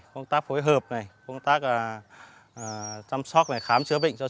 công tác phối hợp này công tác chăm sóc này khám coma cho chó này